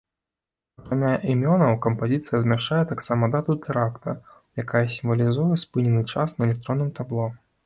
Акрамя імёнаў кампазіцыя змяшчае таксама дату тэракта, якая сімвалізуе спынены час на электронным табло.